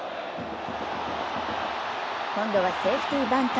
今度はセーフティバント。